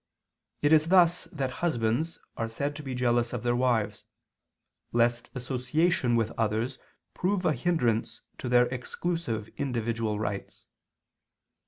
It is thus that husbands are said to be jealous of their wives, lest association with others prove a hindrance to their exclusive individual rights.